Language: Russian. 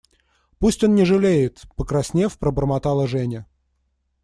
– Пусть он не жалеет, – покраснев, пробормотала Женя.